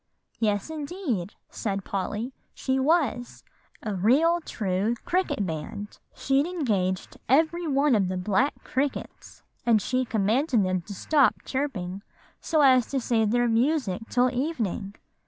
"Yes, indeed," said Polly; "she was a real true cricket band. She'd engaged every one of the black crickets; and she commanded them to stop chirping, so as to save their music till evening.